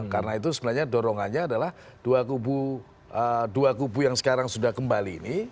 karena itu sebenarnya dorongannya adalah dua kubu yang sekarang sudah kembali ini